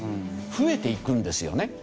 増えていくんですよね。